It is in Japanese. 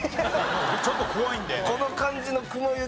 ちょっと怖いんだよね。